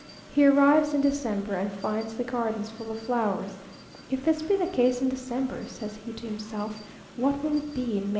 He arrives in December, and finds the gardens full of flowers. "If this be the case in December," says he to himself, "what will it be in May?"